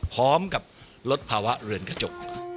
พร้อมกับลดภาวะเรือนกระจก